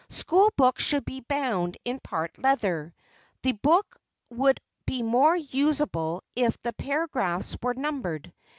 School books should be bound in part leather. The book would be more usable if the paragraphs were numbered.